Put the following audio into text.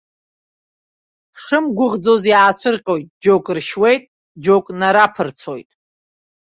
Ҳшымгәыӷӡоз иаацәырҟьоит, џьоук ршьуеит, џьоук нараԥырцоит.